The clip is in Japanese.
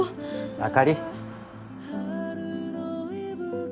あかり